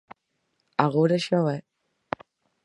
Agora xa o é.